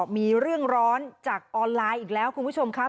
มีเรื่องร้อนจากออนไลน์อีกแล้วคุณผู้ชมครับ